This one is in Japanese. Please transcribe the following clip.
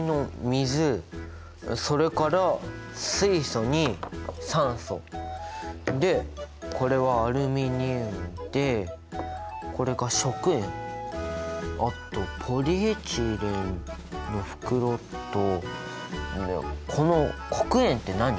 それから水素に酸素でこれはアルミニウムでこれが食塩あとポリエチレンの袋とこの黒鉛って何？